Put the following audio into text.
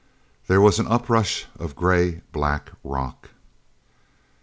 There was an up rush of gray black rock.